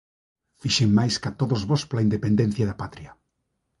Fixen máis ca todos vós pola independencia da Patria...